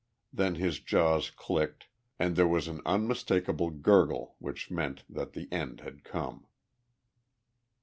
Then his jaws clicked and there was the unmistakable gurgle which meant that the end had come.